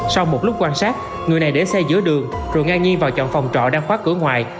sau một lúc quan sát người này để xe giữa đường rồi ngang nhiên vào chọn phòng trọ đang khóa cửa ngoài